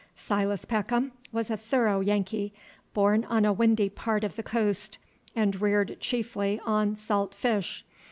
Silas Peckham was a thorough Yankee, born on a windy part of the coast, and reared chiefly on salt fish.